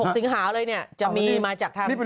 ๓๑๖สิงหาวเลยนี่จะมีมาจากทางอาวไทย